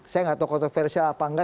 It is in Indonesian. saya tidak tahu kontroversial apa tidak